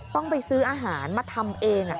ต้องไปซื้ออาหารมาทำเอง